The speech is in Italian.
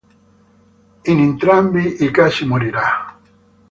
In entrambi i casi morirà.